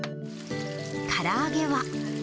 から揚げは。